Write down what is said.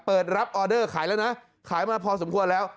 เปิดรับออเดอร์ขายแล้วนะขายมาพอสมควรแล้ว